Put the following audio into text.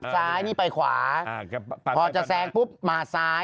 ซ้ายนี่ไปขวาพอจะแซงปุ๊บมาซ้าย